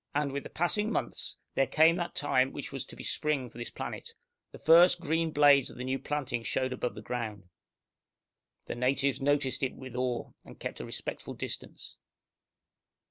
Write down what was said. And, with the passing months, there came that time which was to be spring for this planet. The first green blades of the new planting showed above the ground. The natives noticed it with awe, and kept a respectful distance.